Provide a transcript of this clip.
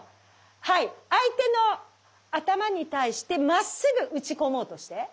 はい相手の頭に対してまっすぐ打ち込もうとして。